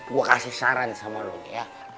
gue kasih saran sama lo nih ya